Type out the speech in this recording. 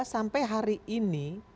sampai hari ini